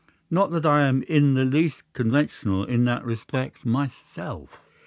Not that I am in the least conventional in that respect myself.